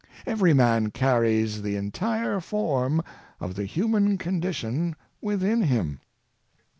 Every man carries the entire form of the human condition within him."